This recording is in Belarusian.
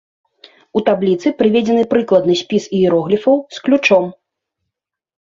У табліцы прыведзены прыкладны спіс іерогліфаў з ключом.